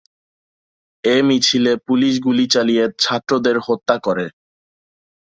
এ মিছিলে পুলিশ গুলি চালিয়ে ছাত্রদের হত্যা করে।